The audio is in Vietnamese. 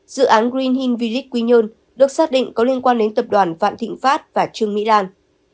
dự án green hill village quy nhơn được xác định có liên quan đến tập đoàn vạn thịnh pháp và trương mỹ lan